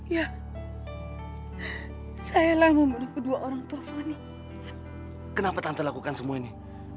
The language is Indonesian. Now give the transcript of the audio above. ya sayalah membunuh kedua orang tua fani kenapa tante lakukan semua ini